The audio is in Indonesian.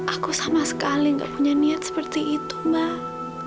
aku sama sekali gak punya niat seperti itu mbak